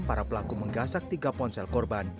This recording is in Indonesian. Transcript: para pelaku menggasak tiga ponsel korban